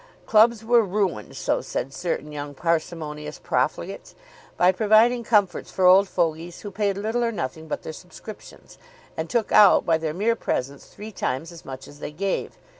Clubs were ruined, so said certain young parsimonious profligates, by providing comforts for old fogies who paid little or nothing but their subscriptions, and took out by their mere presence three times as much as they gave.